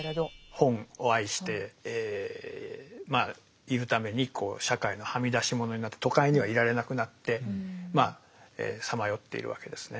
本を愛しているために社会のはみ出し者になって都会にはいられなくなってまあさまよっているわけですね。